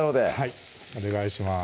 いお願いします